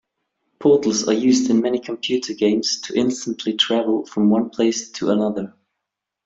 Portals are used in many computer games to instantly travel from one place to another.